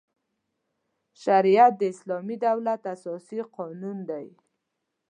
شریعت د اسلامي دولت اساسي قانون دی.